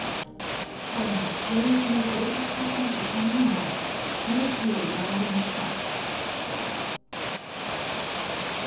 さらに現役のプロサッカー選手３人が命を奪われました。